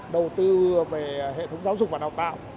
đầu tư về hệ thống giáo dục và đào tạo